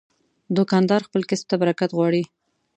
دوکاندار خپل کسب ته برکت غواړي.